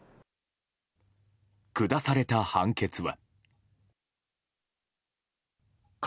下された判決は。